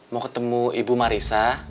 mau ketemu ibu marissa